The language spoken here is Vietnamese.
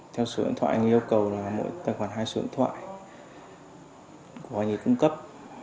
theo sử dụng thoại anh ấy yêu cầu là mỗi tài khoản hai sử dụng thoại của anh ấy cung cấp